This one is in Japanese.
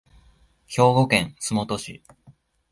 兵庫県洲本市